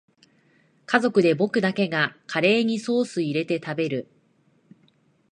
家族で僕だけがカレーにソースいれて食べる